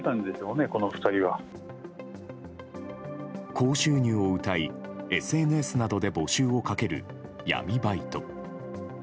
高収入をうたい、ＳＮＳなどで募集をかける闇バイト。